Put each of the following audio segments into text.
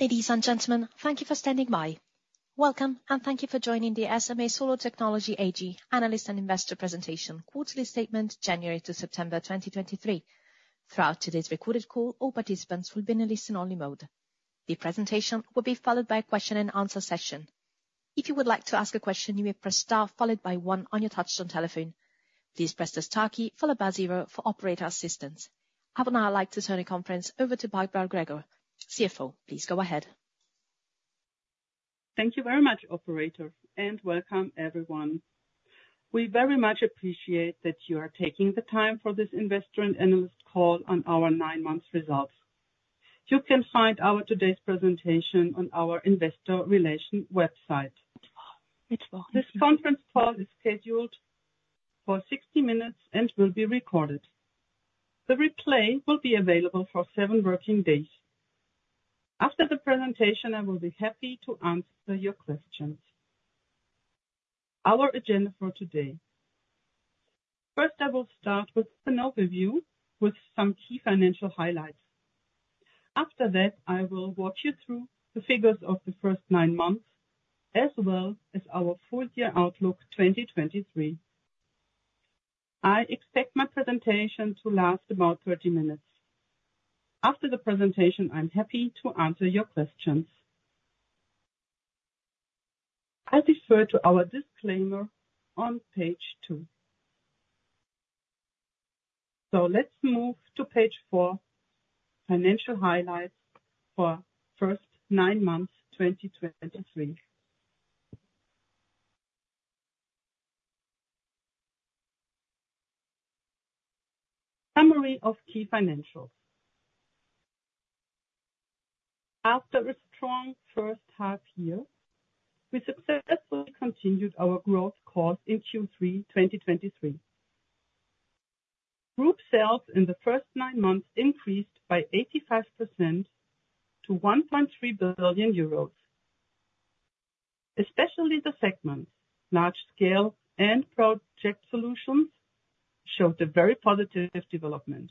Ladies and gentlemen, thank you for standing by. Welcome, and thank you for joining the SMA Solar Technology AG Analyst and Investor Presentation, quarterly statement January to September 2023. Throughout today's recorded call, all participants will be in a listen-only mode. The presentation will be followed by a question and answer session. If you would like to ask a question, you may press star followed by one on your touchtone telephone. Please press the star key followed by zero for operator assistance. I would now like to turn the conference over to Barbara Gregor, CFO. Please go ahead. Thank you very much, operator, and welcome everyone. We very much appreciate that you are taking the time for this investor and analyst call on our nine month results. You can find today's presentation on our investor relations website. This conference call is scheduled for 60 minutes and will be recorded. The replay will be available for seven working days. After the presentation, I will be happy to answer your questions. Our agenda for today. First, I will start with an overview, with some key financial highlights. After that, I will walk you through the figures of the first nine months, as well as our full year outlook, 2023. I expect my presentation to last about 30 minutes. After the presentation, I'm happy to answer your questions. I defer to our disclaimer on page two. Let's move to page four, Financial Highlights for first nine months, 2023. Summary of key financials. After a strong first half year, we successfully continued our growth course in Q3 2023. Group sales in the first nine months increased by 85% to 1.3 billion euros. Especially the segments, Large Scale and Project Solutions, showed a very positive development.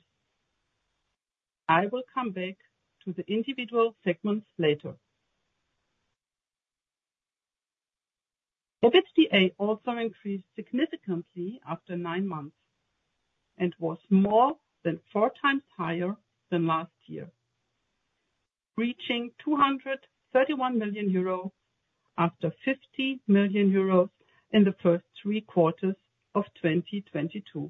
I will come back to the individual segments later. EBITDA also increased significantly after nine months, and was more than 4x higher than last year, reaching 231 million euro, after 50 million euro in the first three quarters of 2022.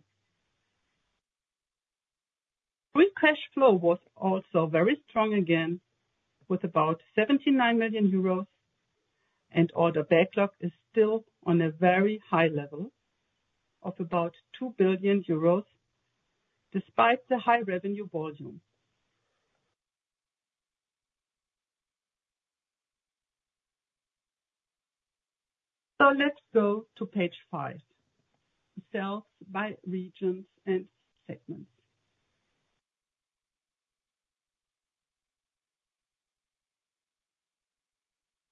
Free cash flow was also very strong again, with about 79 million euros, and Order Backlog is still on a very high level of about 2 billion euros, despite the high revenue volume. So let's go to page five, Sales by Regions and Segments.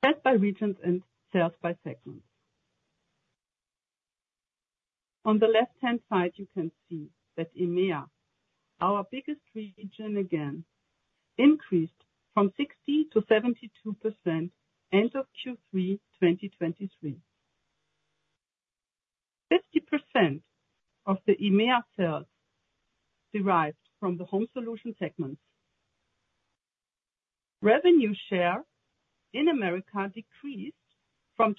Sales by Regions and Sales by Segments. On the left-hand side, you can see that EMEA, our biggest region again, increased from 60%-72% end of Q3 2023. 50% of the EMEA sales derived from the Home Solution segment. Revenue share in Americas decreased from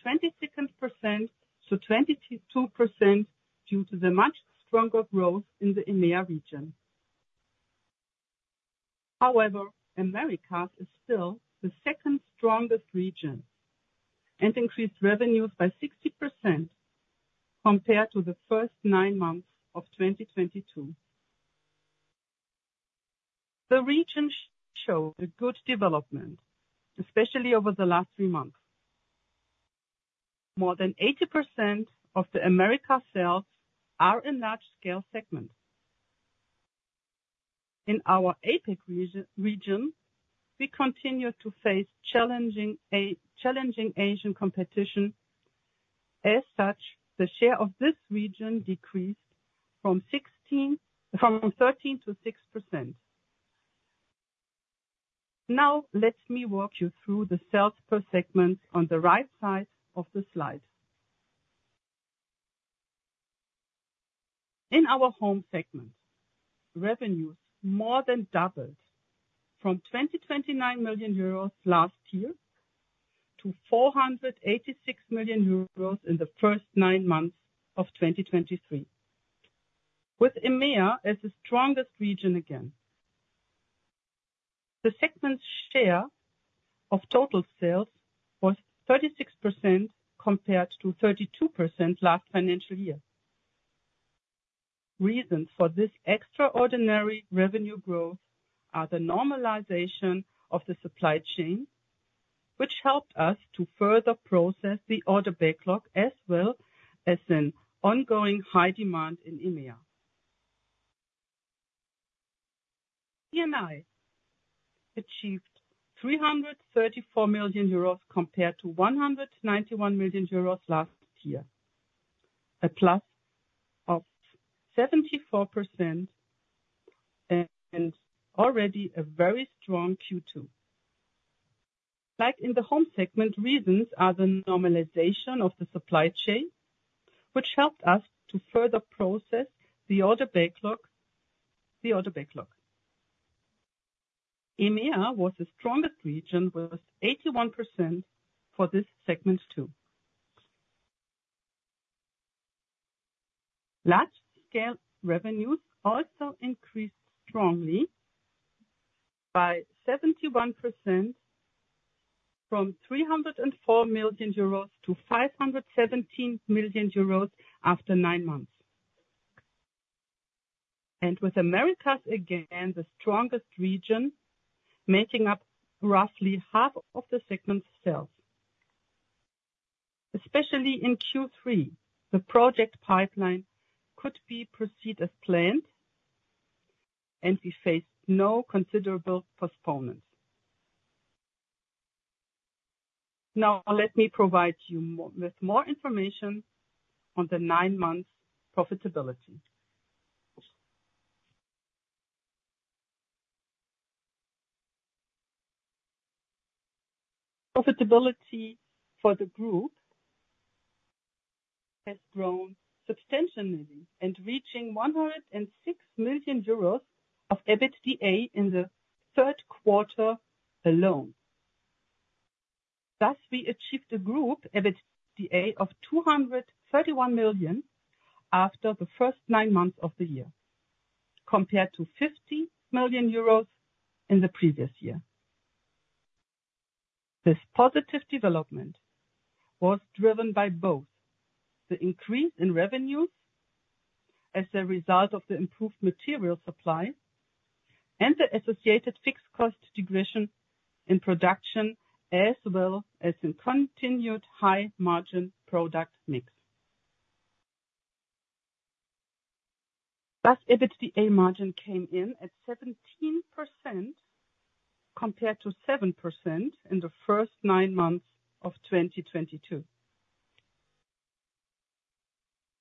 27% to 22% due to the much stronger growth in the EMEA region. However, Americas is still the second strongest region and increased revenues by 60% compared to the first nine months of 2022. The regions show a good development, especially over the last three months. More than 80% of the Americas sales are in Large Scale Segment. In our APAC region, we continue to face challenging Asian competition. As such, the share of this region decreased from 13% to 6%. Now, let me walk you through the sales per segment on the right side of the slide. In our Home segment, revenues more than doubled from 29 million euros last year to 486 million euros in the first nine months of 2023, with EMEA as the strongest region again. The segment's share of total sales was 36% compared to 32% last financial year. Reasons for this extraordinary revenue growth are the normalization of the supply chain, which helped us to further process the order backlog, as well as an ongoing high demand in EMEA. C&I achieved 334 million euros compared to 191 million euros last year. A plus of 74% and already a very strong Q2. Like in the Home segment, reasons are the normalization of the supply chain, which helped us to further process the order backlog, the order backlog. EMEA was the strongest region, with 81% for this segment, too. Large Scale revenues also increased strongly by 71%, from 304 million euros to 517 million euros after nine months. With Americas, again, the strongest region, making up roughly half of the segment's sales. Especially in Q3, the project pipeline could be proceed as planned, and we faced no considerable postponements. Now, let me provide you with more information on the nine-month profitability. Profitability for the group has grown substantially and reaching 106 million euros of EBITDA in the third quarter alone. Thus, we achieved a group EBITDA of 231 million after the first nine months of the year, compared to 50 million euros in the previous year. This positive development was driven by both the increase in revenues as a result of the improved material supply and the associated fixed cost degression in production, as well as in continued high margin product mix. Thus, EBITDA margin came in at 17% compared to 7% in the first nine months of 2022.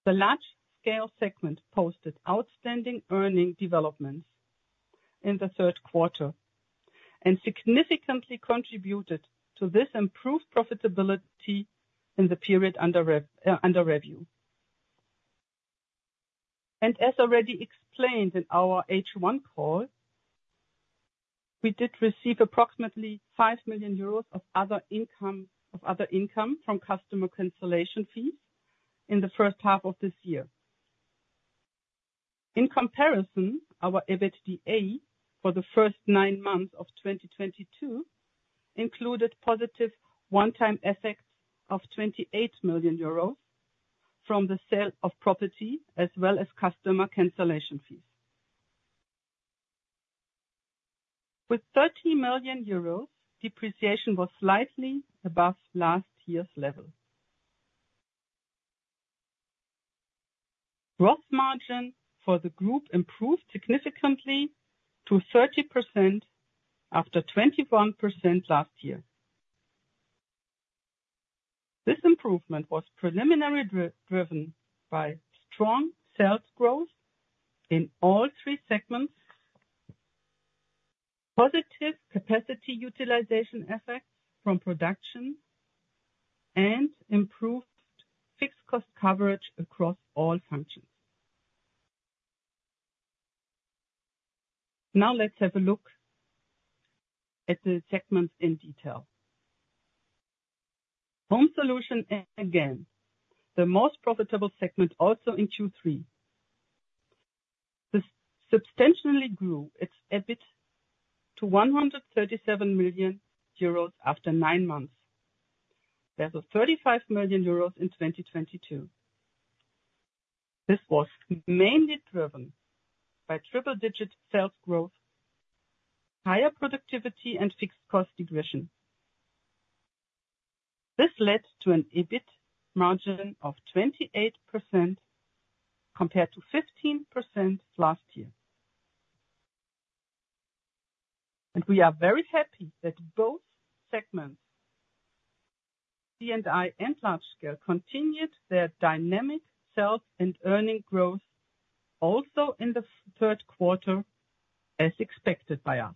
The Large Scale segment posted outstanding earnings developments in the third quarter and significantly contributed to this improved profitability in the period under review. And as already explained in our H1 call, we did receive approximately 5 million euros of other income, of other income from customer cancellation fees in the first half of this year. In comparison, our EBITDA for the first nine months of 2022 included positive one-time effects of 28 million euros from the sale of property, as well as customer cancellation fees. With 30 million euros, depreciation was slightly above last year's level. Gross margin for the group improved significantly to 30% after 21% last year. This improvement was preliminarily driven by strong sales growth in all three segments, positive capacity utilization effects from production, and improved fixed cost coverage across all functions. Now let's have a look at the segments in detail. Home Solutions, again, the most profitable segment also in Q3, this substantially grew its EBIT to 137 million euros after nine months, versus 35 million euros in 2022. This was mainly driven by triple-digit sales growth, higher productivity, and fixed cost degression. This led to an EBIT margin of 28%, compared to 15% last year. We are very happy that both segments, C&I and Large Scale, continued their dynamic sales and earning growth also in the third quarter, as expected by us.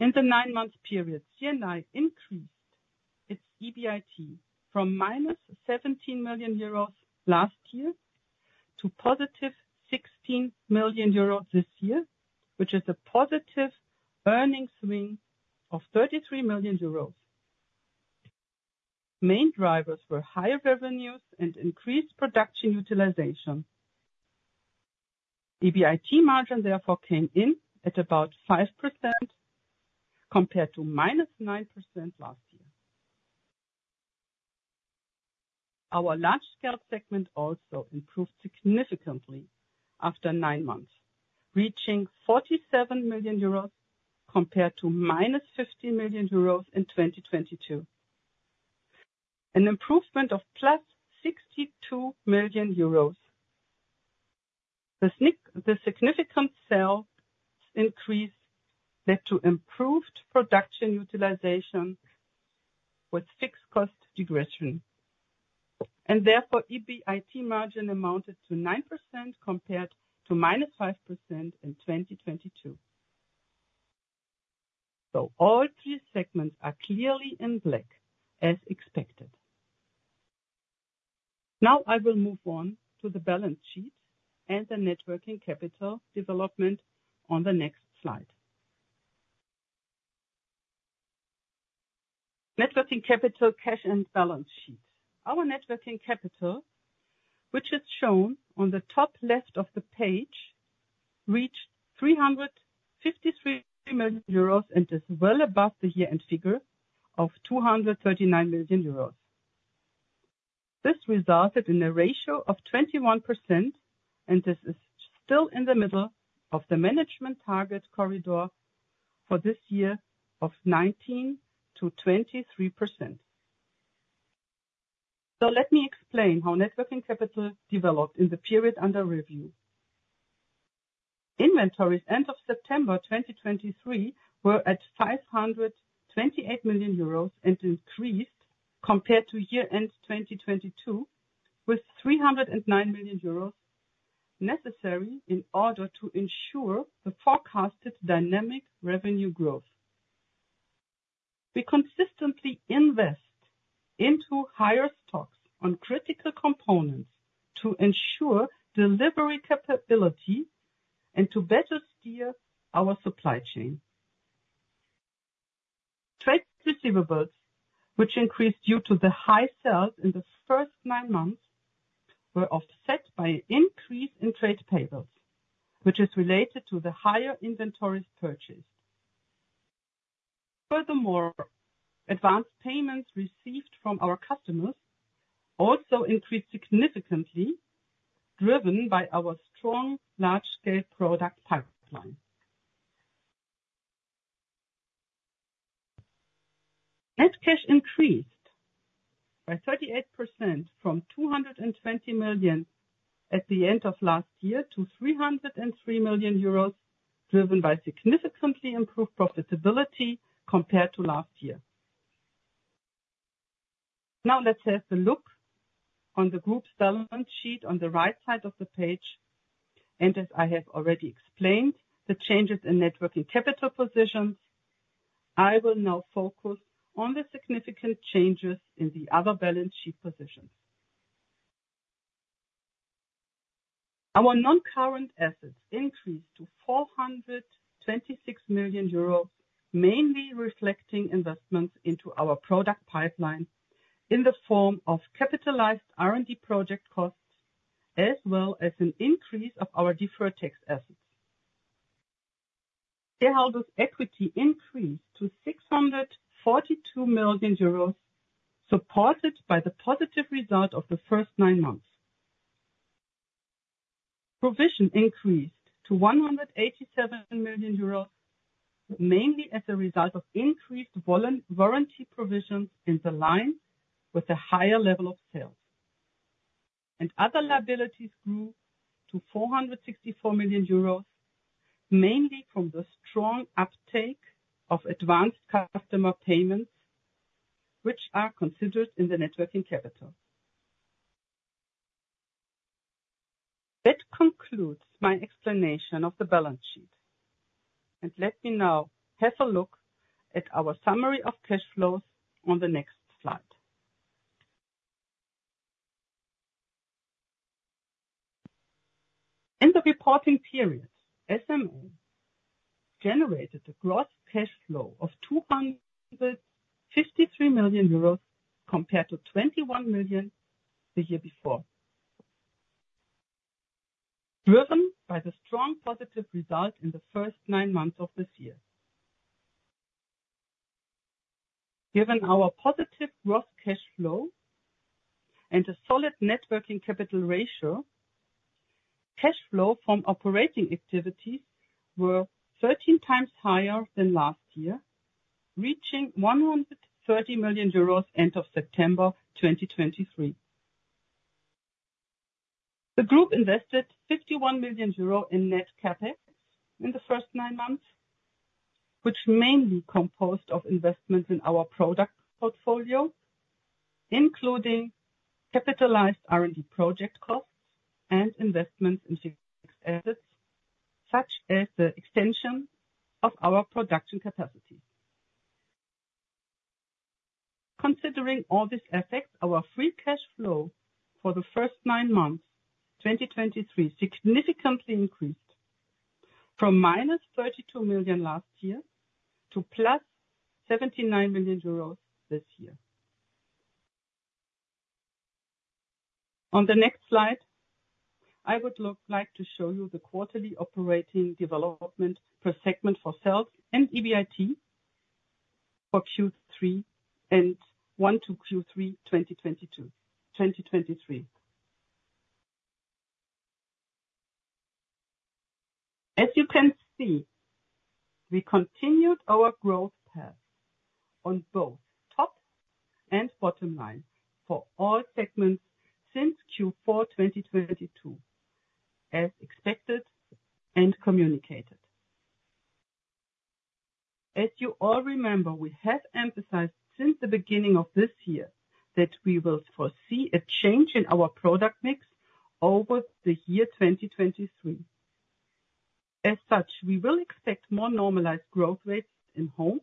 In the nine-month period, C&I increased its EBIT from EUR -17 million last year toEUR +16 million this year, which is a positive earnings swing of 33 million euros. Main drivers were higher revenues and increased production utilization. EBIT margin, therefore, came in at about 5%, compared to -9% last year. Our Large Scale segment also improved significantly after nine months, reaching 47 million euros, compared to -50 million euros in 2022, an improvement of +62 million euros. The significant sales increase led to improved production utilization with fixed cost regression, and therefore, EBIT margin amounted to 9% compared to -5% in 2022. So all three segments are clearly in black, as expected. Now I will move on to the balance sheet and the net working capital development on the next slide. Net working capital, cash, and balance sheet. Our net working capital, which is shown on the top left of the page, reached 353 million euros, and is well above the year-end figure of 239 million euros. This resulted in a ratio of 21%, and this is still in the middle of the management target corridor for this year of 19%-23%. So let me explain how net working capital developed in the period under review. Inventories end of September 2023 were at 528 million euros and increased compared to year-end 2022, with 309 million euros necessary in order to ensure the forecasted dynamic revenue growth. We consistently invest into higher stocks on critical components to ensure delivery capability and to better steer our supply chain. Trade receivables, which increased due to the high sales in the first nine months, were offset by an increase in trade payables, which is related to the higher inventories purchased. Furthermore, advanced payments received from our customers also increased significantly, driven by our strong large-scale product pipeline. Net cash increased by 38% from 220 million at the end of last year to 303 million euros, driven by significantly improved profitability compared to last year. Now, let's have a look on the group's balance sheet on the right side of the page, and as I have already explained, the changes in net working capital positions, I will now focus on the significant changes in the other balance sheet positions. Our non-current assets increased to 426 million euro, mainly reflecting investments into our product pipeline in the form of capitalized R&D project costs, as well as an increase of our deferred tax assets. Shareholder's equity increased to 642 million euros, supported by the positive result of the first nine months. Provision increased to 187 million euros, mainly as a result of increased warranty provisions in line with the higher level of sales. Other liabilities grew to 464 million euros, mainly from the strong uptake of advanced customer payments, which are considered in the net working capital. That concludes my explanation of the balance sheet, and let me now have a look at our summary of cash flows on the next slide. In the reporting period, SMA generated a gross cash flow of 253 million euros compared to 21 million the year before, driven by the strong positive result in the first nine months of this year. Given our positive gross cash flow and a solid net working capital ratio, cash flow from operating activities were 13x higher than last year, reaching 130 million euros end of September 2023. The group invested 51 million euro in net CapEx in the first nine months, which mainly composed of investments in our product portfolio, including capitalized R&D project costs and investments in assets, such as the extension of our production capacity. Considering all these effects, our free cash flow for the first nine months, 2023, significantly increased from -32 million last year to +79 million euros this year. On the next slide, I would like to show you the quarterly operating development per segment for sales and EBIT for Q3 and 1 to Q3, 2022-2023. As you can see, we continued our growth path on both top and bottom line for all segments since Q4 2022, as expected and communicated. As you all remember, we have emphasized since the beginning of this year that we will foresee a change in our product mix over the year 2023. As such, we will expect more normalized growth rates in home,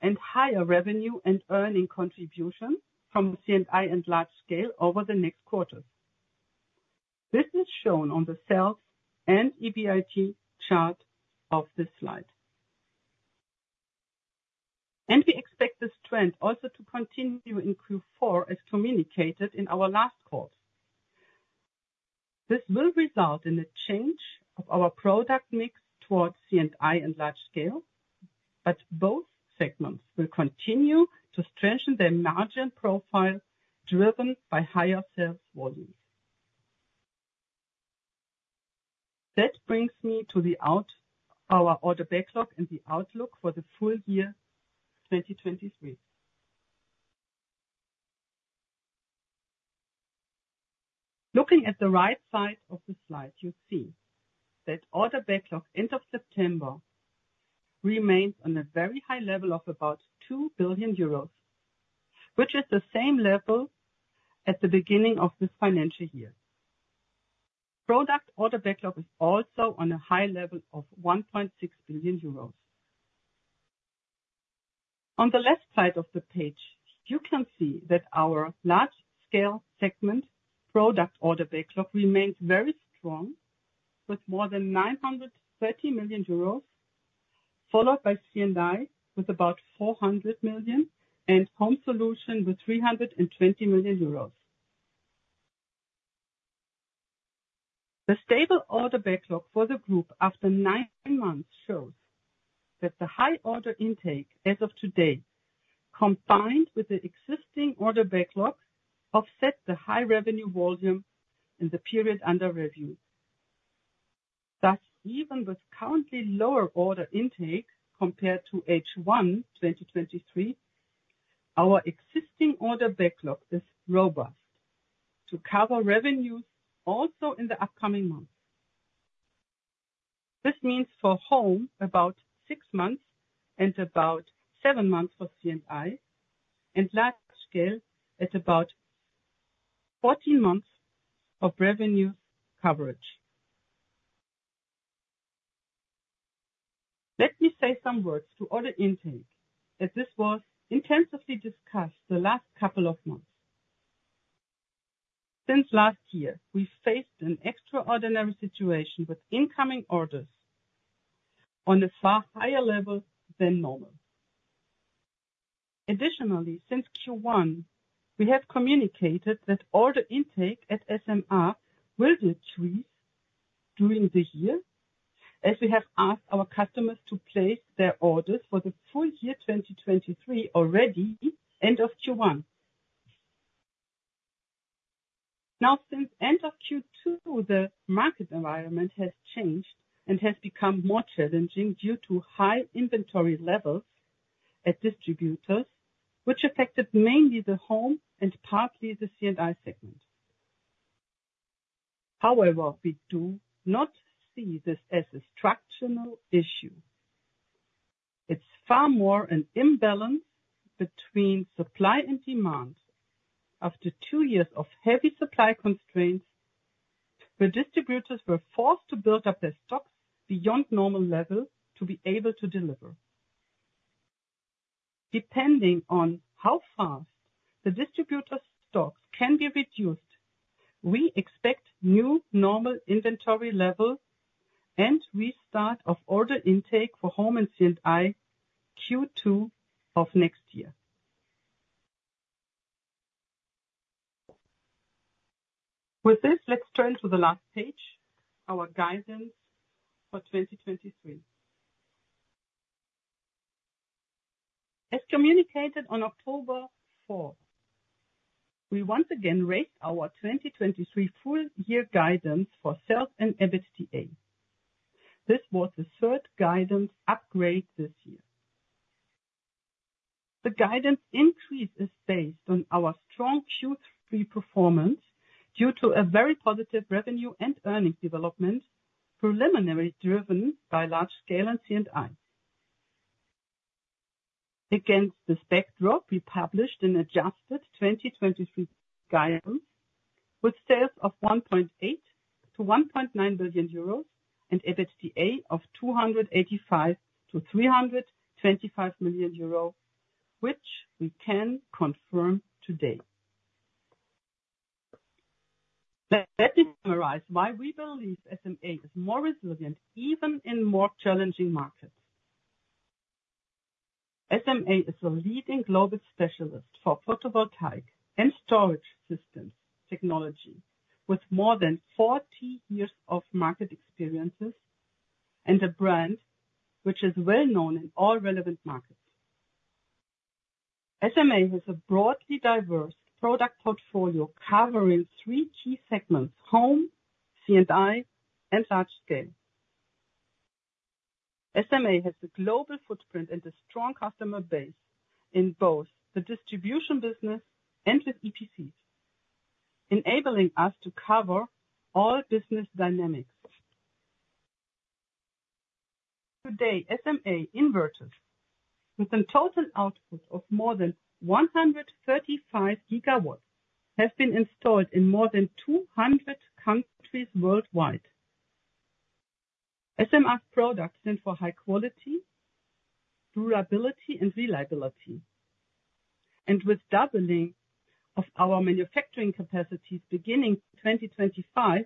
and higher revenue and earning contribution from C&I and Large Scale over the next quarters. This is shown on the sales and EBIT chart of this slide. And we expect this trend also to continue in Q4, as communicated in our last call. This will result in a change of our product mix towards C&I and Large Scale, but both segments will continue to strengthen their margin profile, driven by higher sales volumes. That brings me to our order backlog and the outlook for the full year 2023. Looking at the right side of the slide, you see that order backlog, end of September, remains on a very high level of about 2 billion euros, which is the same level at the beginning of this financial year. Product order backlog is also on a high level of 1.6 billion euros. On the left side of the page, you can see that our Large Scale segment product order backlog remains very strong, with more than 930 million euros, followed by C&I, with about 400 million, and Home Solution with 320 million euros. The stable order backlog for the group after nine months shows that the high order intake as of today, combined with the existing order backlog, offset the high revenue volume in the period under review. Thus, even with currently lower order intake compared to H1 2023, our existing order backlog is robust to cover revenues also in the upcoming months. This means for Home, about six months, and about seven months for C&I, and Large Scale is about 14 months of revenue coverage. Let me say some words to order intake, as this was intensively discussed the last couple of months. Since last year, we faced an extraordinary situation with incoming orders on a far higher level than normal. Additionally, since Q1, we have communicated that order intake at SMA will decrease during the year, as we have asked our customers to place their orders for the full year 2023 already, end of Q1. Now, since end of Q2, the market environment has changed and has become more challenging due to high inventory levels at distributors, which affected mainly the Home and partly the C&I segment. However, we do not see this as a structural issue. It's far more an imbalance between supply and demand. After two years of heavy supply constraints, the distributors were forced to build up their stocks beyond normal level to be able to deliver. Depending on how fast the distributor stocks can be reduced, we expect new normal inventory level and restart of order intake for Home and C&I Q2 of next year. With this, let's turn to the last page, our guidance for 2023. As communicated on October 4th, we once again raised our 2023 full year guidance for sales and EBITDA. This was the third guidance upgrade this year. The guidance increase is based on our strong Q3 performance due to a very positive revenue and earnings development, preliminarily driven by Large Scale and C&I. Against this backdrop, we published an adjusted 2023 guidance, with sales of 1.8-1.9 billion euros, and EBITDA of 285 million-325 million euros, which we can confirm today. Let me summarize why we believe SMA is more resilient, even in more challenging markets. SMA is a leading global specialist for photovoltaic and storage systems technology, with more than 40 years of market experiences and a brand which is well known in all relevant markets.... SMA has a broadly diverse product portfolio covering three key segments, home, C&I, and Large Scale. SMA has a global footprint and a strong customer base in both the distribution business and with EPCs, enabling us to cover all business dynamics. Today, SMA inverters, with a total output of more than 135 GW, have been installed in more than 200 countries worldwide. SMA's products stand for high quality, durability, and reliability, and with doubling of our manufacturing capacities beginning 2025,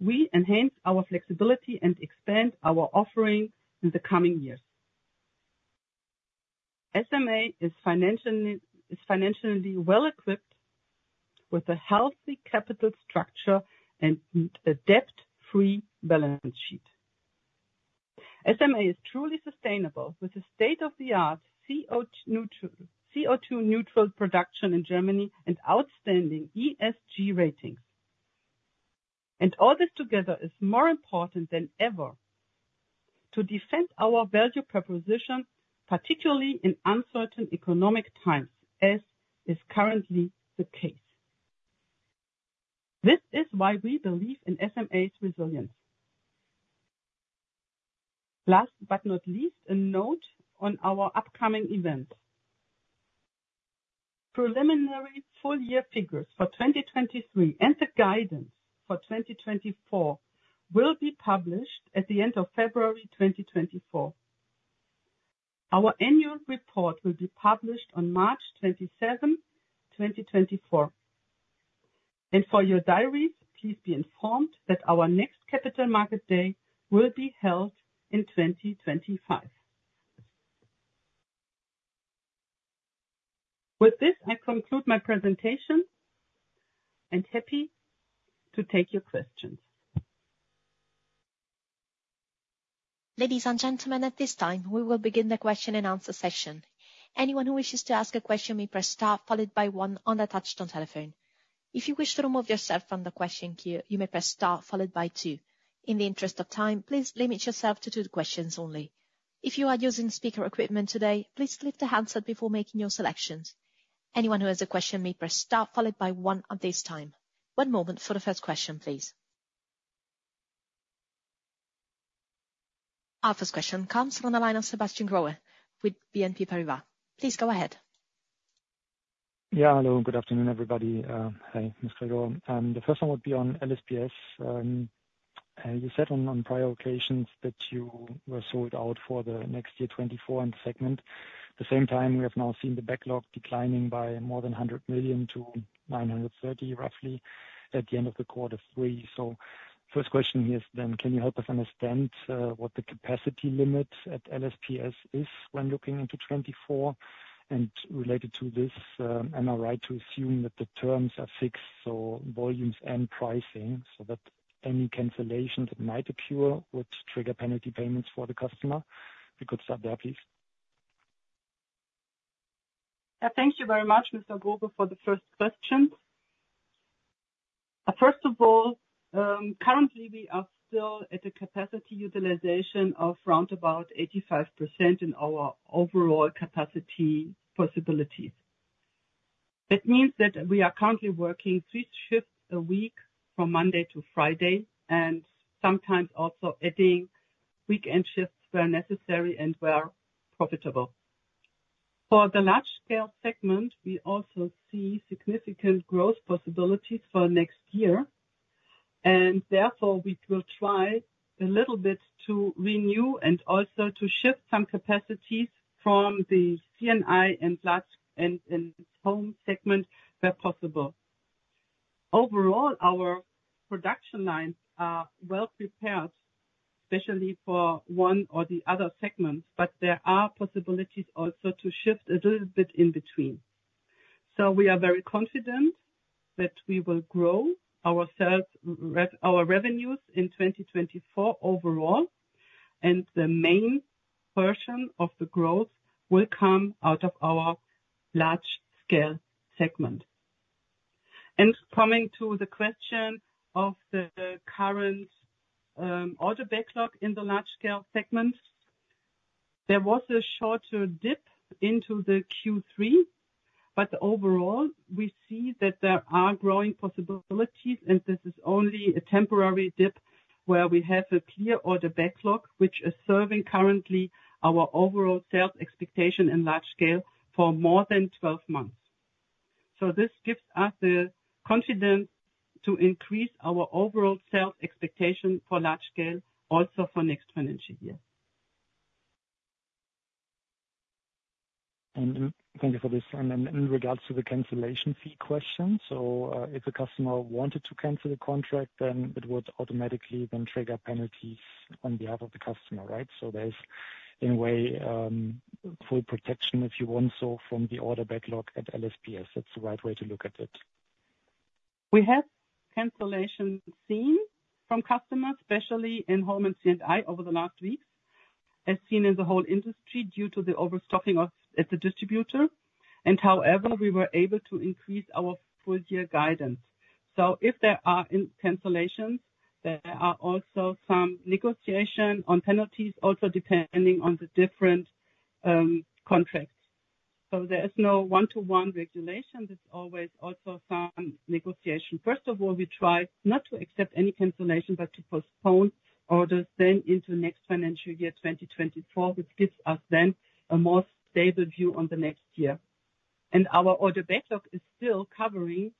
we enhance our flexibility and expand our offering in the coming years. SMA is financially well equipped with a healthy capital structure and a debt-free balance sheet. SMA is truly sustainable, with a state-of-the-art CO2 neutral production in Germany and outstanding ESG ratings. All this together is more important than ever to defend our value proposition, particularly in uncertain economic times, as is currently the case. This is why we believe in SMA's resilience. Last but not least, a note on our upcoming events. Preliminary full year figures for 2023 and the guidance for 2024 will be published at the end of February 2024. Our annual report will be published on March 27th, 2024. And for your diaries, please be informed that our next Capital Market Day will be held in 2025. With this, I conclude my presentation, and happy to take your questions. Ladies and gentlemen, at this time, we will begin the question and answer session. Anyone who wishes to ask a question may press star followed by one on the touch tone telephone. If you wish to remove yourself from the question queue, you may press star followed by two. In the interest of time, please limit yourself to two questions only. If you are using speaker equipment today, please click the handset before making your selections. Anyone who has a question may press star followed by one at this time. One moment for the first question, please. Our first question comes from the line of Sebastian Growe with BNP Paribas. Please go ahead. Yeah, hello, good afternoon, everybody. Hi, Ms. Gregor. The first one would be on LSPS. You said on prior occasions that you were sold out for the next year, 2024, in segment. At the same time, we have now seen the backlog declining by more than 100 million to roughly EUR 930 million at the end of quarter three. So first question here is, then, can you help us understand what the capacity limit at LSPS is when looking into 2024? And related to this, am I right to assume that the terms are fixed, so volumes and pricing, so that any cancellations that might occur would trigger penalty payments for the customer? We could start there, please. Thank you very much, Mr. Growe, for the first question. First of all, currently we are still at a capacity utilization of round about 85% in our overall capacity possibilities. That means that we are currently working three shifts a week from Monday to Friday, and sometimes also adding weekend shifts where necessary and where profitable. For the Large Scale segment, we also see significant growth possibilities for next year, and therefore we will try a little bit to renew and also to shift some capacities from the C&I and Large and, and Home segment, where possible. Overall, our production lines are well prepared, especially for one or the other segments, but there are possibilities also to shift a little bit in between. We are very confident that we will grow our sales, our revenues in 2024 overall, and the main portion of the growth will come out of our Large Scale segment. Coming to the question of the current order backlog in the Large Scale segment, there was a shorter dip into the Q3, but overall, we see that there are growing possibilities, and this is only a temporary dip where we have a clear order backlog, which is serving currently our overall sales expectation in Large Scale for more than 12 months. This gives us the confidence to increase our overall sales expectation for Large Scale also for next financial year. Thank you for this. Then in regards to the cancellation fee question, so, if a customer wanted to cancel the contract, then it would automatically then trigger penalties on behalf of the customer, right? So there's, in a way, full protection, if you want so, from the order backlog at LSPS. That's the right way to look at it?... We have seen cancellations from customers, especially in Home and C&I over the last week, as seen in the whole industry, due to the overstocking at the distributor. However, we were able to increase our full year guidance. So if there are cancellations, there are also some negotiation on penalties, also depending on the different contracts. So there is no one-to-one regulation. There's always also some negotiation. First of all, we try not to accept any cancellation, but to postpone orders then into next financial year, 2024, which gives us then a more stable view on the next year. Our order backlog is still covering,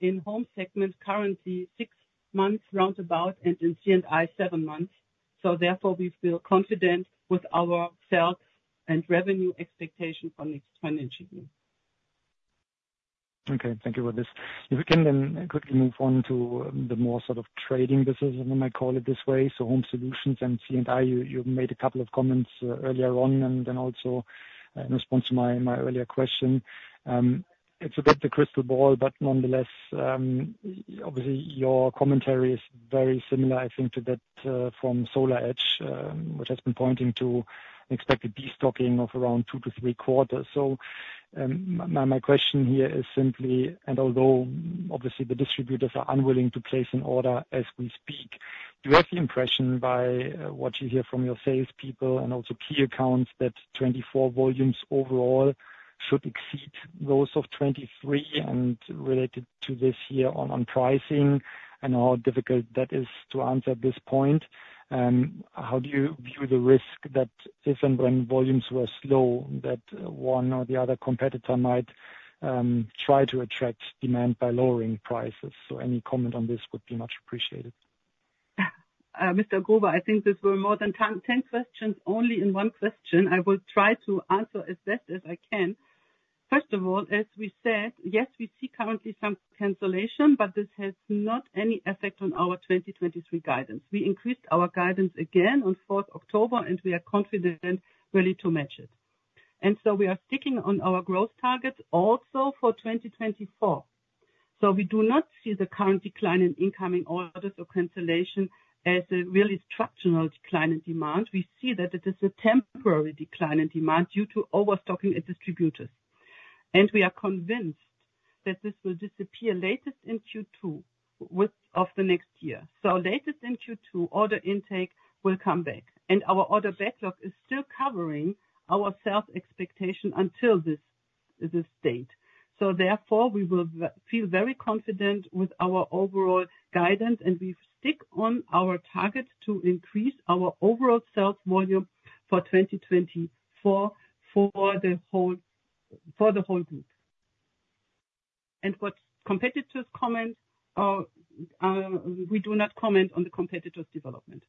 in Home segment, currently six months roundabout, and in C&I, seven months. Therefore, we feel confident with our sales and revenue expectation for next financial year. Okay, thank you for this. If we can then quickly move on to the more sort of trading business, and I call it this way, so Home Solutions and C&I. You made a couple of comments earlier on, and then also in response to my earlier question. It's a bit the crystal ball, but nonetheless, obviously your commentary is very similar, I think, to that from SolarEdge, which has been pointing to expected destocking of around two to three quarters. My question here is simply, and although obviously the distributors are unwilling to place an order as we speak, do you have the impression by what you hear from your salespeople and also key accounts, that 2024 volumes overall should exceed those of 2023? Related to this year, on pricing, I know how difficult that is to answer at this point. How do you view the risk that if and when volumes were slow, that one or the other competitor might try to attract demand by lowering prices? Any comment on this would be much appreciated. Mr. Growe, I think these were more than 10, 10 questions only in one question. I will try to answer as best as I can. First of all, as we said, yes, we see currently some cancellation, but this has not any effect on our 2023 guidance. We increased our guidance again on October 4, and we are confident really to match it. And so we are sticking on our growth targets also for 2024. So we do not see the current decline in incoming orders or cancellation as a really structural decline in demand. We see that it is a temporary decline in demand due to overstocking at distributors. And we are convinced that this will disappear latest in Q2 of the next year. So latest in Q2, order intake will come back, and our order backlog is still covering our sales expectation until this, this date. So therefore, we will feel very confident with our overall guidance, and we stick on our target to increase our overall sales volume for 2024, for the whole, for the whole group. And what competitors comment, we do not comment on the competitors' development.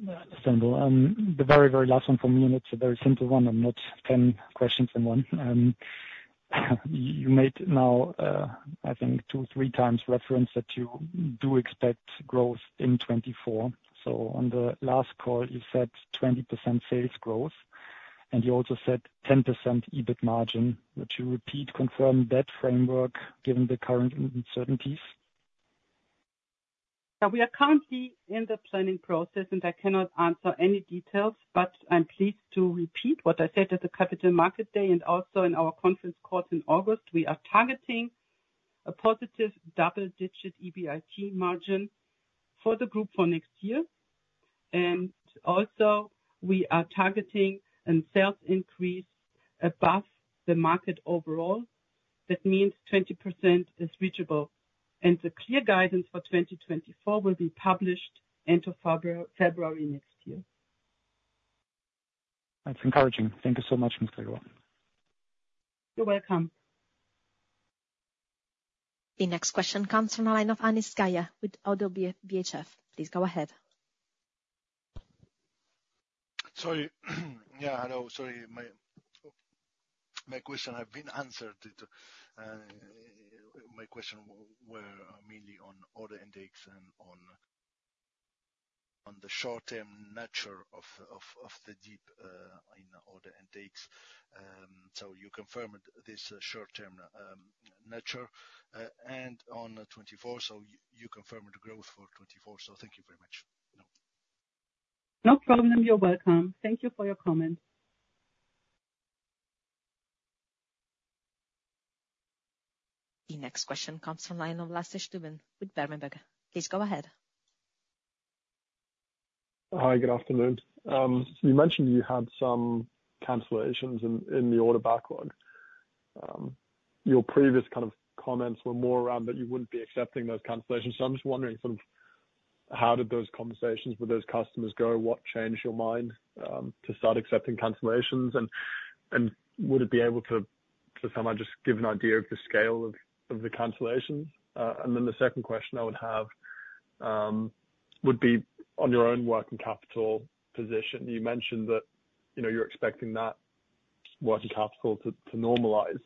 The very, very last one from me, and it's a very simple one and not ten questions in one. You made now, I think two, three times reference, that you do expect growth in 2024. So on the last call, you said 20% sales growth, and you also said 10% EBIT margin. Would you repeat, confirm that framework given the current uncertainties? We are currently in the planning process, and I cannot answer any details, but I'm pleased to repeat what I said at the Capital Market Day, and also in our conference call in August. We are targeting a positive double-digit EBIT margin for the group for next year, and also we are targeting a sales increase above the market overall. That means 20% is reachable, and the clear guidance for 2024 will be published end of February next year. That's encouraging. Thank you so much, Ms. Barbara. You're welcome. The next question comes from the line of Anis Zgaya with ODDO BHF. Please go ahead. Sorry. Yeah, hello. Sorry, my question have been answered. My question were mainly on order intakes and on the short-term nature of the dip in order intakes. So you confirm this short-term nature and on 2024, so you confirm the growth for 2024, so thank you very much. No problem. You're welcome. Thank you for your comment. The next question comes from line of Lasse Stuben with Berenberg. Please go ahead. Hi, good afternoon. You mentioned you had some cancellations in the order backlog. Your previous kind of comments were more around that you wouldn't be accepting those cancellations. So I'm just wondering, sort of, how did those conversations with those customers go? What changed your mind to start accepting cancellations? And would it be able to just give an idea of the scale of the cancellations? And then the second question I would have would be on your own working capital position. You mentioned that, you know, you're expecting that working capital to normalize.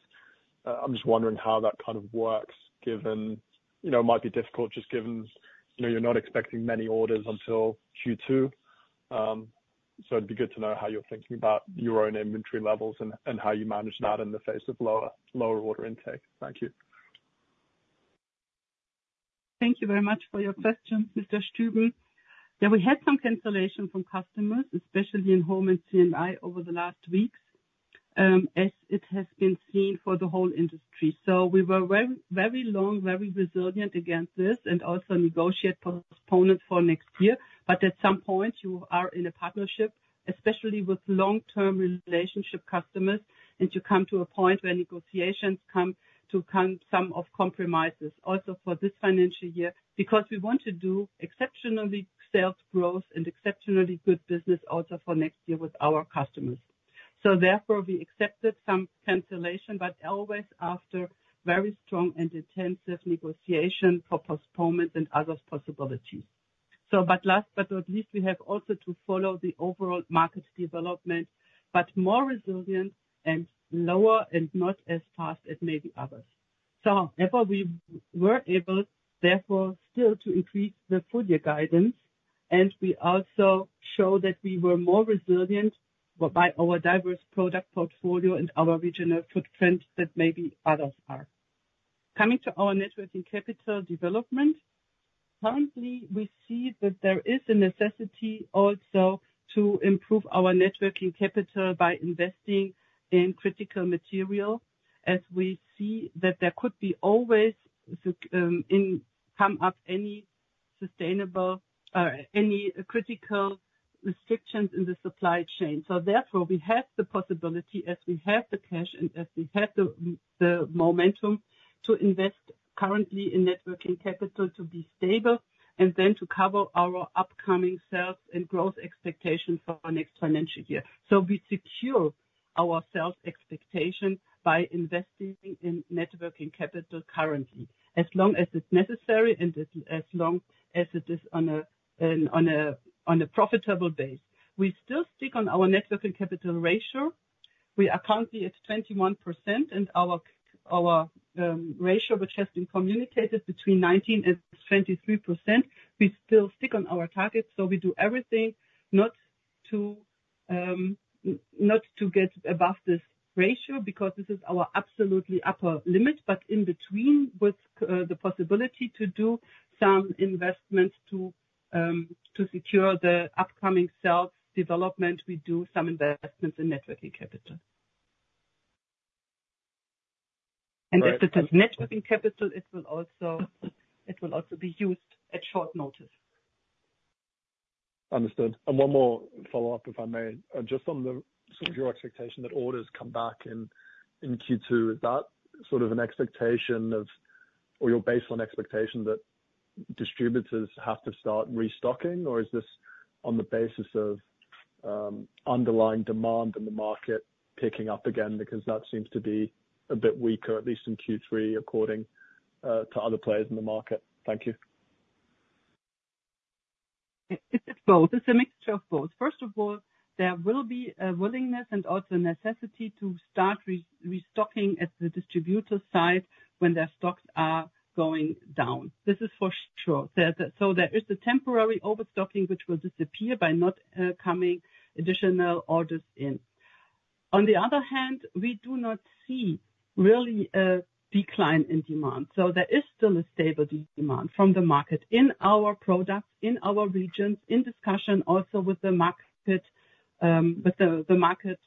I'm just wondering how that kind of works, given, you know, it might be difficult, just given, you know, you're not expecting many orders until Q2. So it'd be good to know how you're thinking about your own inventory levels and how you manage that in the face of lower order intake. Thank you. Thank you very much for your question, Mr. Stuben. Yeah, we had some cancellation from customers, especially in Home and C&I over the last weeks, as it has been seen for the whole industry. So we were very, very long, very resilient against this, and also negotiate postponement for next year. But at some point, you are in a partnership, especially with long-term relationship customers, and you come to a point where negotiations come to come some of compromises also for this financial year, because we want to do exceptionally sales growth and exceptionally good business also for next year with our customers. So therefore, we accepted some cancellation, but always after very strong and intensive negotiation for postponement and other possibilities. So but last, but not least, we have also to follow the overall market development, but more resilient and lower and not as fast as maybe others. Therefore, we were able, therefore, still to increase the full year guidance, and we also show that we were more resilient by our diverse product portfolio and our regional footprint than maybe others are. Coming to our net working capital development, currently, we see that there is a necessity also to improve our net working capital by investing in critical material, as we see that there could be always, in come up any sustainable or any critical restrictions in the supply chain. Therefore, we have the possibility, as we have the cash and as we have the momentum, to invest currently in net working capital to be stable, and then to cover our upcoming sales and growth expectations for our next financial year. So we secure our sales expectation by investing in net working capital currently, as long as it's necessary and as long as it is on a profitable base. We still stick on our net working capital ratio. We are currently at 21%, and our ratio, which has been communicated between 19% and 23%, we still stick on our target, so we do everything not to get above this ratio, because this is our absolutely upper limit. But in between, with the possibility to do some investments to secure the upcoming sales development, we do some investments in net working capital. Right. If it is net working capital, it will also be used at short notice. Understood. One more follow-up, if I may. Just on the sort of your expectation that orders come back in Q2, is that sort of an expectation of, or your baseline expectation that distributors have to start restocking? Or is this on the basis of underlying demand in the market picking up again? Because that seems to be a bit weaker, at least in Q3, according to other players in the market. Thank you. It, it's both. It's a mixture of both. First of all, there will be a willingness and also a necessity to start restocking at the distributor side when their stocks are going down. This is for sure. So there is a temporary overstocking, which will disappear by not coming additional orders in. On the other hand, we do not see really a decline in demand, so there is still a stable demand from the market in our products, in our regions, in discussion also with the market, with the market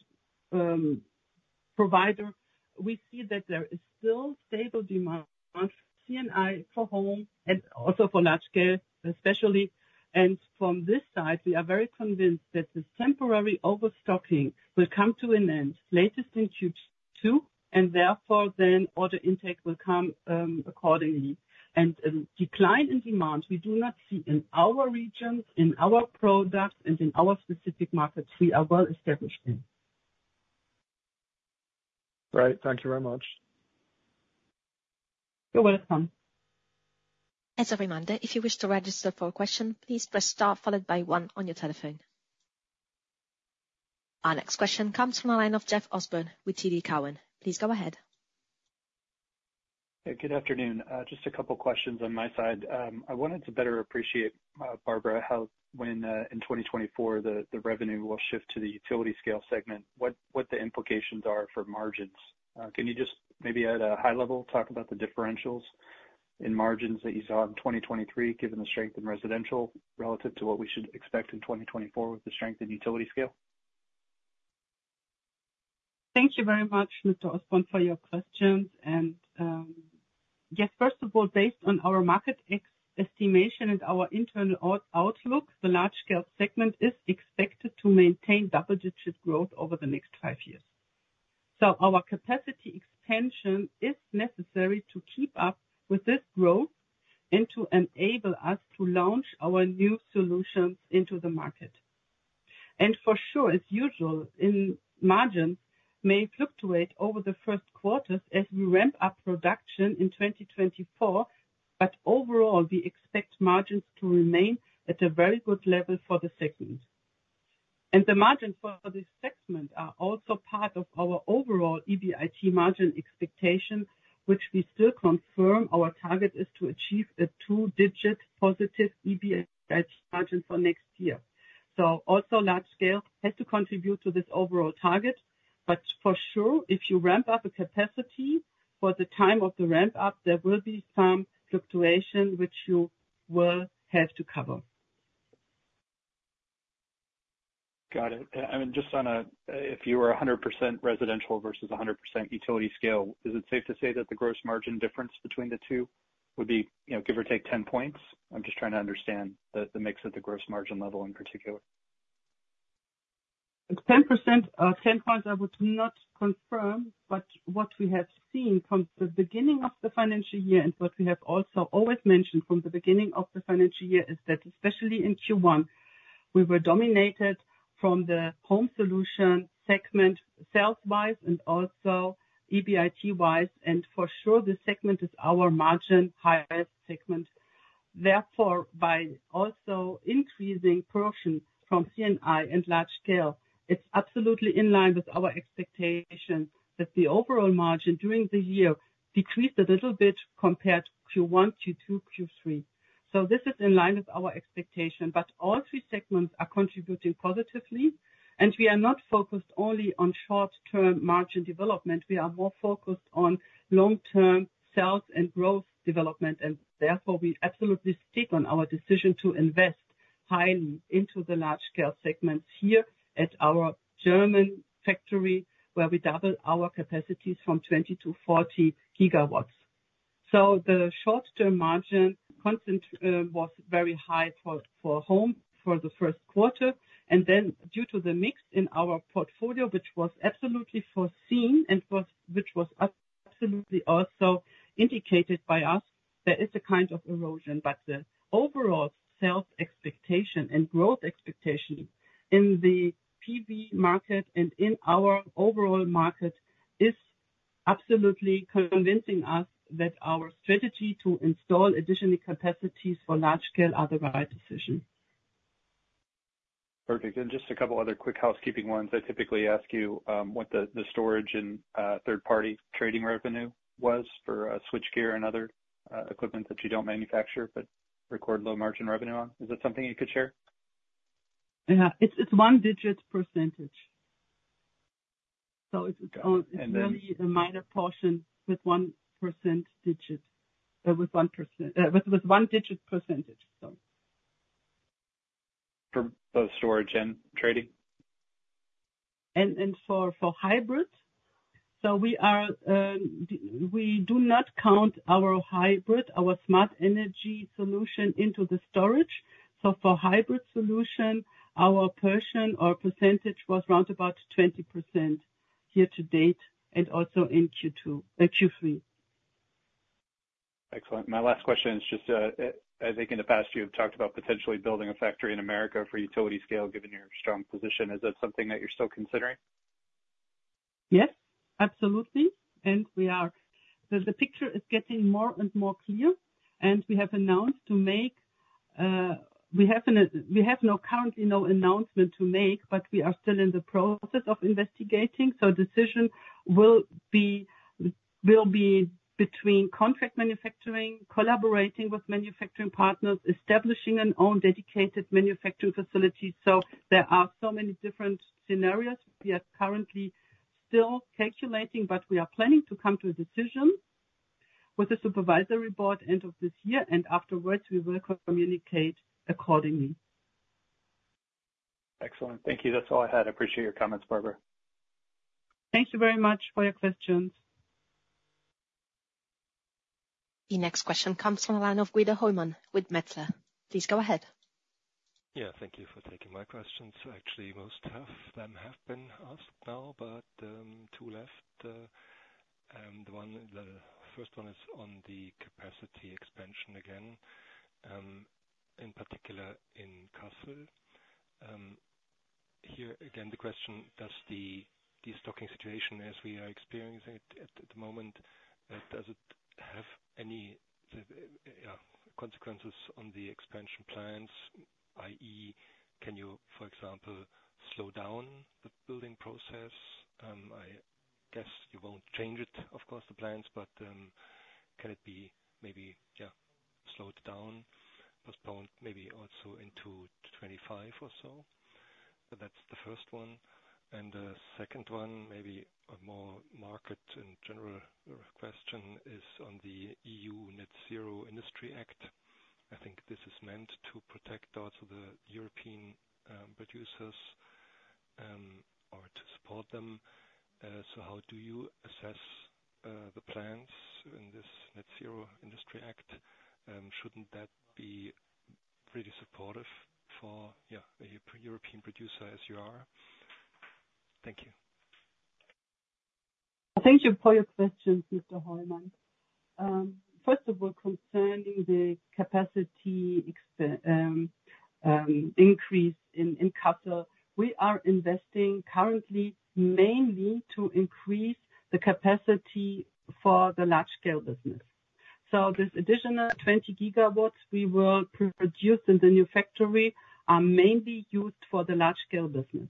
provider. We see that there is still stable demand, C&I for Home and also for Large Scale, especially. And from this side, we are very convinced that this temporary overstocking will come to an end latest in Q2, and therefore, then order intake will come accordingly. Decline in demand, we do not see in our regions, in our products, and in our specific markets we are well established in. Right. Thank you very much. You're welcome. As a reminder, if you wish to register for a question, please press star followed by one on your telephone. Our next question comes from the line of Jeff Osborne with TD Cowen. Please go ahead. Good afternoon. Just a couple questions on my side. I wanted to better appreciate, Barbara, how when in 2024, the revenue will shift to the utility scale segment, what the implications are for margins. Can you just maybe at a high level, talk about the differentials in margins that you saw in 2023, given the strength in residential relative to what we should expect in 2024 with the strength in utility scale? Thank you very much, Mr. Osborne, for your questions. Yes, first of all, based on our market estimation and our internal outlook, the Large Scale segment is expected to maintain double-digit growth over the next five years. So our capacity expansion is necessary to keep up with this growth and to enable us to launch our new solutions into the market. For sure, as usual, in margins may fluctuate over the first quarters as we ramp up production in 2024, but overall, we expect margins to remain at a very good level for the segment. The margin for this segment are also part of our overall EBIT margin expectation, which we still confirm. Our target is to achieve a two-digit positive EBIT margin for next year. So also Large Scale has to contribute to this overall target. For sure, if you ramp up a capacity for the time of the ramp up, there will be some fluctuation which you will have to cover. Got it. I mean, just on a, if you were 100% residential versus 100% utility scale, is it safe to say that the gross margin difference between the two would be, you know, give or take 10 points? I'm just trying to understand the mix of the gross margin level in particular. 10%, 10 points, I would not confirm, but what we have seen from the beginning of the financial year and what we have also always mentioned from the beginning of the financial year, is that especially in Q1, we were dominated from the Home Solution segment, sales wise and also EBIT wise. And for sure, this segment is our margin highest segment. Therefore, by also increasing portion from C&I and Large Scale, it's absolutely in line with our expectation that the overall margin during the year decreased a little bit compared to Q1, Q2, Q3. So this is in line with our expectation, but all three segments are contributing positively, and we are not focused only on short-term margin development. We are more focused on long-term sales and growth development, and therefore we absolutely stick on our decision to invest highly into the Large Scale segments here at our German factory, where we double our capacities from 20-40 GW. So the short-term margin constant was very high for, for Home for the first quarter, and then due to the mix in our portfolio, which was absolutely foreseen and was, which was absolutely also indicated by us, there is a kind of erosion. But the overall sales expectation and growth expectation in the PV market and in our overall market is absolutely convincing us that our strategy to install additional capacities for Large Scale are the right decision. Perfect. Just a couple other quick housekeeping ones. I typically ask you what the storage and third-party trading revenue was for switchgear and other equipment that you don't manufacture, but record low margin revenue on. Is that something you could share? Yeah. It's one-digit percentage. So it's really a minor portion with one percent digit. With one-digit percentage, so. For both storage and trading? For hybrid. So we are, we do not count our hybrid, our smart energy solution into the storage. So for hybrid solution, our portion or percentage was around 20% year to date and also in Q2, Q3. Excellent. My last question is just, I think in the past you've talked about potentially building a factory in America for utility scale, given your strong position. Is that something that you're still considering? Yes, absolutely. We are. The picture is getting more and more clear, and we have currently no announcement to make, but we are still in the process of investigating. So the decision will be between contract manufacturing, collaborating with manufacturing partners, establishing our own dedicated manufacturing facility. So there are so many different scenarios. We are currently still calculating, but we are planning to come to a decision with the supervisory board end of this year, and afterwards we will communicate accordingly. Excellent. Thank you. That's all I had. I appreciate your comments, Barbara. Thank you very much for your questions. The next question comes from the line of Guido Hoymann with Metzler. Please go ahead. Yeah, thank you for taking my questions. Actually, most of them have been asked now, but two left. And one, the first one is on the capacity expansion again, in particular in Kassel. Here again, the question: Does the destocking situation as we are experiencing it at the moment, does it have any consequences on the expansion plans, i.e., can you, for example, slow down the building process? I guess you won't change it, of course, the plans, but can it be maybe slowed down, postponed, maybe also into 2025 or so? That's the first one. And the second one, maybe a more market and general question, is on the EU Net-Zero Industry Act. I think this is meant to protect also the European producers, or to support them. So how do you assess the plans in this Net-Zero Industry Act? Shouldn't that be pretty supportive for a European producer, as you are? Thank you. Thank you for your questions, Mr. Hoymann. First of all, concerning the capacity increase in Kassel, we are investing currently, mainly to increase the capacity for the Large Scale business. So this additional 20 GW we will produce in the new factory are mainly used for the Large Scale business.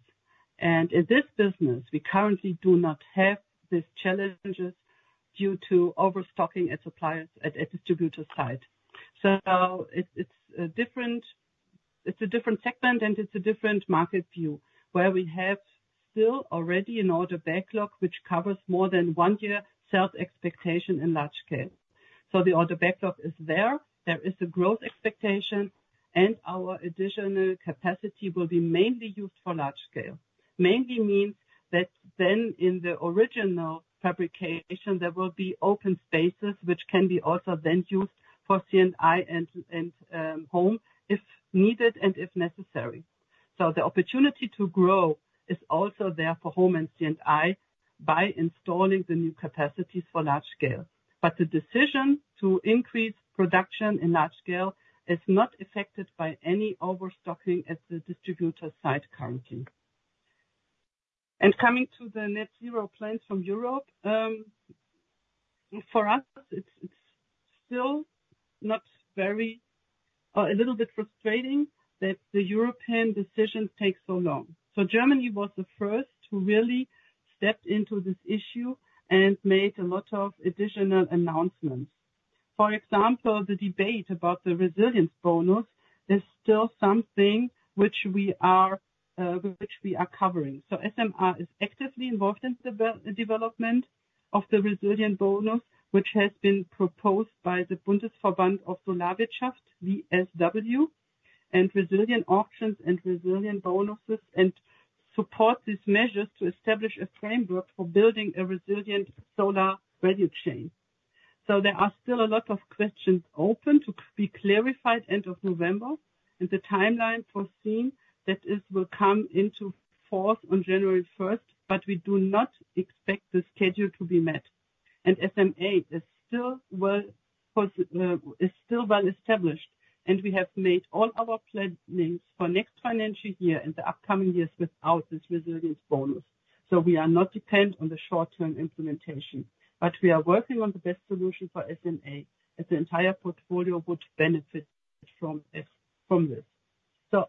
And in this business, we currently do not have these challenges due to overstocking at suppliers, at distributor side. So it's a different segment, and it's a different market view, where we have still already an order backlog, which covers more than one year sales expectation in Large Scale. So the order backlog is there. There is a growth expectation, and our additional capacity will be mainly used for Large Scale. Mainly means that then in the original fabrication, there will be open spaces which can be also then used for C&I and home, if needed and if necessary. The opportunity to grow is also there for Home and C&I by installing the new capacities for Large Scale. But the decision to increase production in Large Scale is not affected by any overstocking at the distributor side currently. Coming to the Net-Zero plans from Europe, for us, it's still not very, a little bit frustrating that the European decision takes so long. Germany was the first to really step into this issue and made a lot of additional announcements. For example, the debate about the resilience bonus is still something which we are covering. So SMA is actively involved in the development of the resilience bonus, which has been proposed by the Bundesverband of the Solarwirtschaft, BSW, and resilience auctions and resilience bonuses, and support these measures to establish a framework for building a resilient solar value chain. So there are still a lot of questions open to be clarified end of November, and the timeline foreseen that it will come into force on January 1st, but we do not expect the schedule to be met. And SMA is still well positioned, is still well established, and we have made all our plannings for next financial year and the upcoming years without this resilience bonus. So we are not dependent on the short-term implementation, but we are working on the best solution for SMA, as the entire portfolio would benefit from this, from this.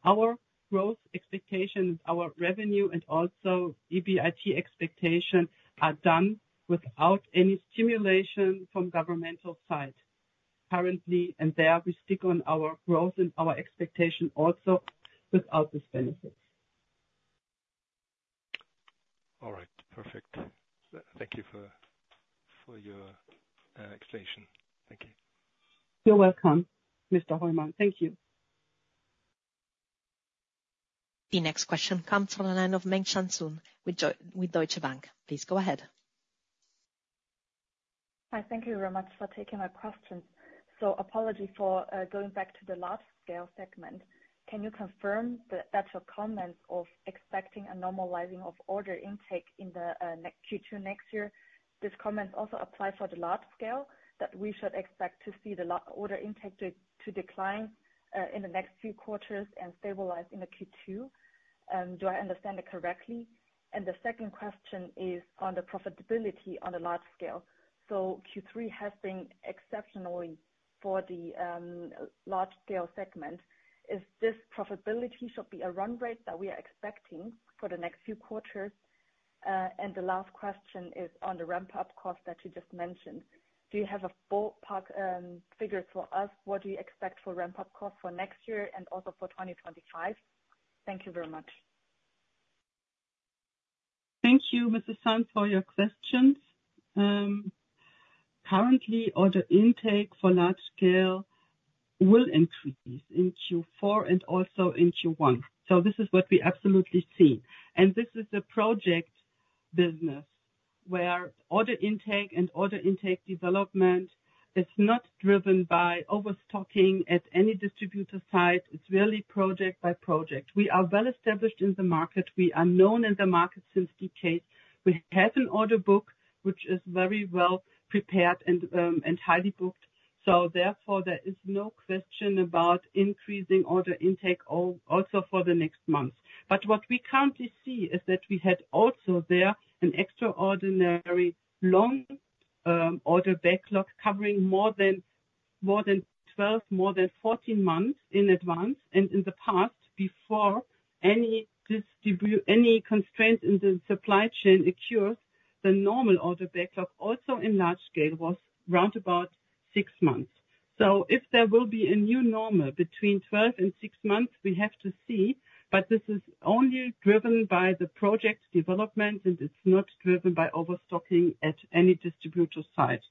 Our growth expectations, our revenue, and also EBIT expectation are done without any stimulus from government side. Currently, and there we stick to our growth and our expectation also without this benefit. All right, perfect. Thank you for your explanation. Thank you. You're welcome, Mr. Hoymann. Thank you. The next question comes from the line of Mengxian Sun with Deutsche Bank. Please go ahead. Hi, thank you very much for taking my question. So, apology for going back to the Large Scale segment. Can you confirm that your comments of expecting a normalizing of order intake in the next Q2 next year, these comments also apply for the Large Scale, that we should expect to see the order intake to decline in the next few quarters and stabilize in the Q2? Do I understand that correctly? And the second question is on the profitability on the Large Scale. So Q3 has been exceptional for the Large Scale segment. Is this profitability should be a run rate that we are expecting for the next few quarters? And the last question is on the ramp-up cost that you just mentioned. Do you have a ballpark figure for us? What do you expect for ramp-up cost for next year and also for 2025? Thank you very much. Thank you, Mrs. Sun, for your questions. Currently, order intake for Large Scale will increase in Q4 and also in Q1. So this is what we absolutely see. This is a project business, where order intake and order intake development is not driven by overstocking at any distributor site. It's really project by project. We are well established in the market. We are known in the market since decades. We have an order book which is very well prepared and highly booked. So therefore, there is no question about increasing order intake also for the next months. But what we currently see is that we had also there an extraordinary long order backlog covering more than, more than 12, more than 14 months in advance. In the past, before any constraint in the supply chain occurs, the normal order backlog, also in Large Scale, was around six months. So if there will be a new normal between 12 and six months, we have to see. But this is only driven by the project's development, and it's not driven by overstocking at any distributor site.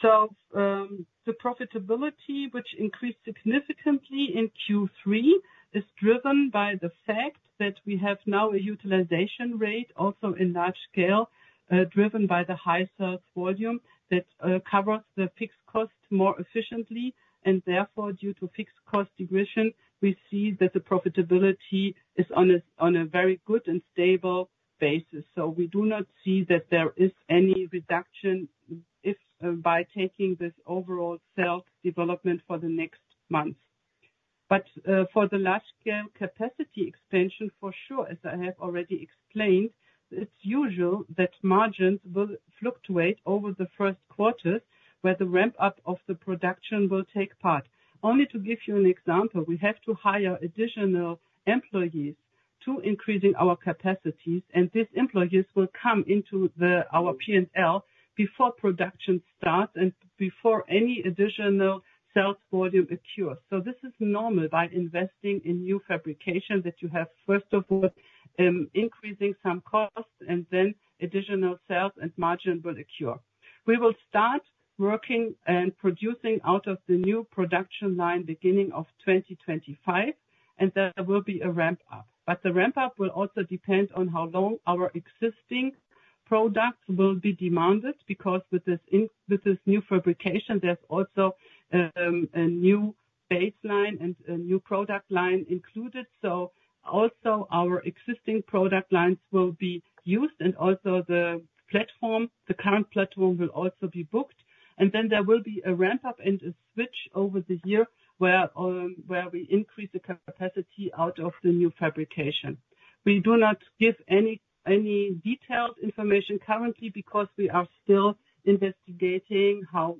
So, the profitability, which increased significantly in Q3, is driven by the fact that we have now a utilization rate, also in Large Scale, driven by the high sales volume that covers the fixed cost more efficiently. And therefore, due to fixed cost regression, we see that the profitability is on a very good and stable basis. So we do not see that there is any reduction if by taking this overall sales development for the next month. But for the Large Scale capacity expansion, for sure, as I have already explained, it's usual that margins will fluctuate over the first quarters, where the ramp-up of the production will take part. Only to give you an example, we have to hire additional employees to increasing our capacities, and these employees will come into our P&L before production starts and before any additional sales volume occurs. So this is normal by investing in new fabrication, that you have, first of all, increasing some costs and then additional sales and margin will occur. We will start working and producing out of the new production line beginning of 2025, and there will be a ramp up. But the ramp up will also depend on how long our existing products will be demanded, because with this new fabrication, there's also a new baseline and a new product line included. So also our existing product lines will be used and also the platform, the current platform, will also be booked. And then there will be a ramp up and a switch over the year where we increase the capacity out of the new fabrication. We do not give any detailed information currently, because we are still investigating how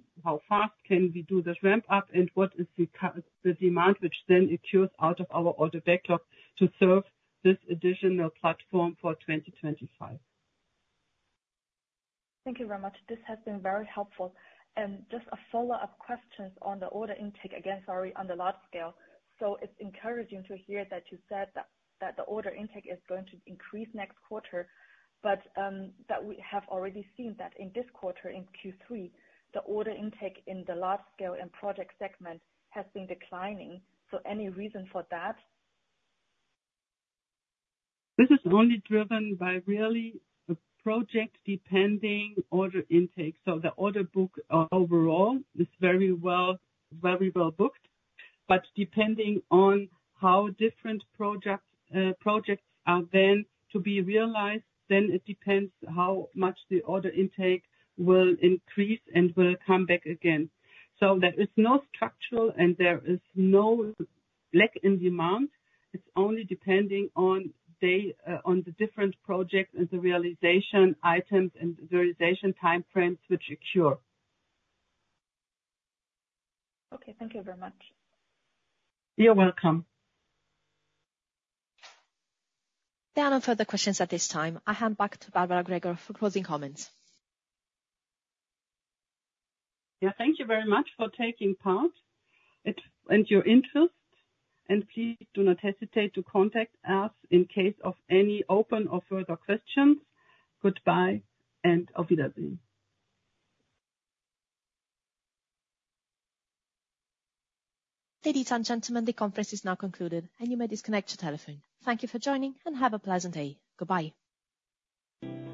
fast can we do this ramp up and what is the demand, which then occurs out of our order b]acklog to serve this additional platform for 2025. Thank you very much. This has been very helpful. Just a follow-up question on the order intake, again, sorry, on the Large Scale. It's encouraging to hear that you said that, that the order intake is going to increase next quarter, but that we have already seen that in this quarter, in Q3, the order intake in the Large Scale and project segment has been declining. Any reason for that? This is only driven by really the project-depending order intake. So the order book overall is very well, very well booked. But depending on how different projects are then to be realized, then it depends how much the order intake will increase and will come back again. So there is no structural and there is no lack in demand. It's only depending on day, on the different projects and the realization items and the realization time frames which occur. Okay, thank you very much. You're welcome. There are no further questions at this time. I hand back to Barbara Gregor for closing comments. Yeah, thank you very much for taking part and your interest, and please do not hesitate to contact us in case of any open or further questions. Goodbye, and Auf Wiedersehen. Ladies and gentlemen, the conference is now concluded, and you may disconnect your telephone. Thank you for joining, and have a pleasant day. Goodbye.